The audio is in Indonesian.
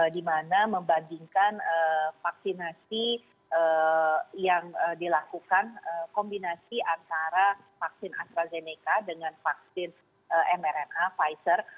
dibandingkan vaksinasi yang dilakukan kombinasi antara vaksin astrazeneca dengan vaksin mrna pfizer